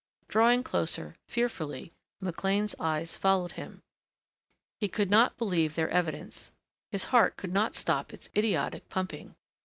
Drawing closer, fearfully McLean's eyes followed him. He could not believe their evidence. His heart could not stop its idiotic pumping.